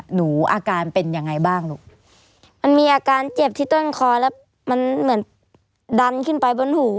หนูอาการเป็นยังไงบ้างลูกมันมีอาการเจ็บที่ต้นคอแล้วมันเหมือนดันขึ้นไปบนหู